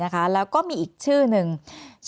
แอนตาซินเยลโรคกระเพาะอาหารท้องอืดจุกเสียดแสบร้อน